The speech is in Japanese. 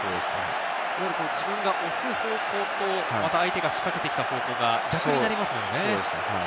自分が押す方向と、相手が仕掛けてきた方向が逆になりますもんね。